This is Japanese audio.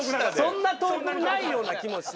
そんな遠くないような気もします。